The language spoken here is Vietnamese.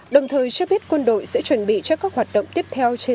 đồng thời cho biết quân đội sẽ chuẩn bị cho các hoạt động tiếp theo